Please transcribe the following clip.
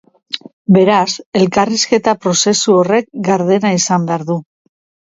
Beraz, elkarrizketa prozesu horrek gardena izan behar du.